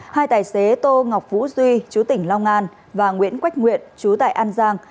hai tài xế tô ngọc vũ duy chú tỉnh long an và nguyễn quách nguyện chú tại an giang